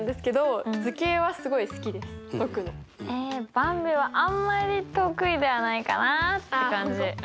ばんびはあんまり得意ではないかなって感じ。